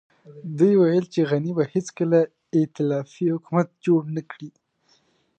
دوی ويل چې غني به هېڅکله ائتلافي حکومت جوړ نه کړي.